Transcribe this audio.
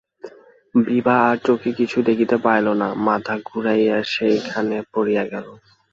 বিভা আর চোখে কিছু দেখিতে পাইল না, মাথা ঘুরিয়া সেইখানে পড়িয়া গেল।